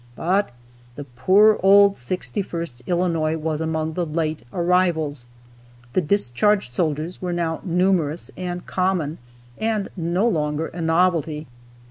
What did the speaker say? But the poor old 61st Illinois was among the late arrivals. The discharged soldiers were now numerous and common, and no longer a novelty.